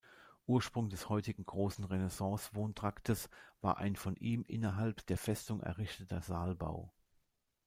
Ursprung des heutigen großen Renaissance-Wohntraktes war ein von ihm innerhalb der Festung errichteter Saalbau.